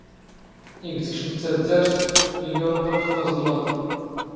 ⵉⴳ ⵜⴽⵛⵎⴷ ⵜⴰⴷⴷⴰⵔⵜ, ⵉⵍⵍⴰ ⵓⵏⵡⴰⵍ ⵅⴼ ⵓⵣⵍⵎⴰⴹ.